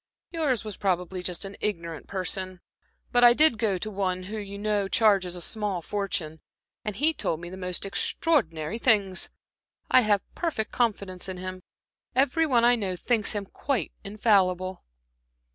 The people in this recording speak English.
"Yours was probably just an ignorant person. But I did go to , who, you know, charges a small fortune, and he told me the most extraordinary things. I have perfect confidence in him; every one I know thinks him quite infallible."